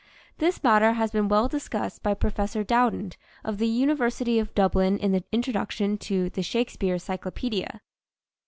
This matter has been well discussed by Professor Dowden of the University of Dublin in the Introduction to "The Shakespeare Cyclopedia."